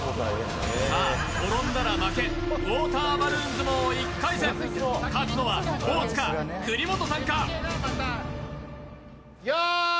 転んだら負け、ウォーターバルーン相撲１回戦、勝つのは大津か、国本さんか。